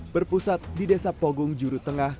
berpusat di desa pogung juru tengah